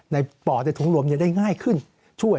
ป่อในถุงรวมได้ง่ายขึ้นช่วย